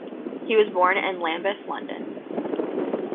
He was born in Lambeth, London.